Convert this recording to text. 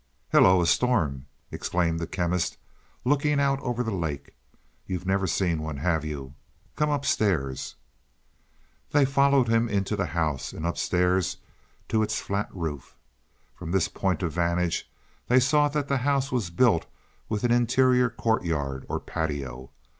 "Hello, a storm!" exclaimed the Chemist, looking out over the lake. "You've never seen one, have you? Come upstairs." They followed him into the house and upstairs to its flat roof. From this point of vantage they saw that the house was built with an interior courtyard or patio.